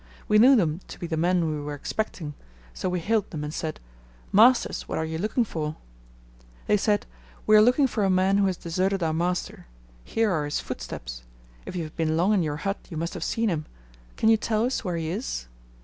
We knew them to be the men we were expecting; so we hailed them, and said, 'Masters, what are ye looking for?' \ They said, 'We are looking for a man who has deserted our master. Here are his footsteps. If you have been long in your hut you must have seen him, Can you tell us where he is?'